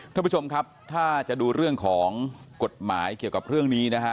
ท่านผู้ชมครับถ้าจะดูเรื่องของกฎหมายเกี่ยวกับเรื่องนี้นะฮะ